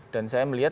dan saya melihat